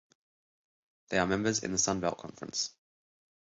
They are members in the Sun Belt Conference.